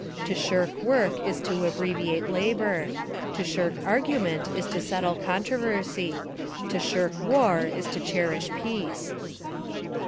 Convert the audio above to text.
To shirk work is to abbreviate labour. To shirk argument is to settle controversy. To shirk war is to cher ish peace.